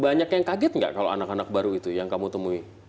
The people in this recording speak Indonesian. banyak yang kaget nggak kalau anak anak baru itu yang kamu temui